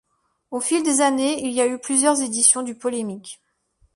Au fil des années, il y a eu plusieurs éditions du Polémique.